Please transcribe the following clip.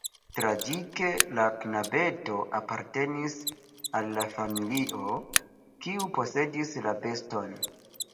Tragike la knabeto apartenis al la familio, kiu posedis la beston.